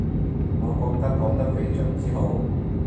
我覺得講得非常之好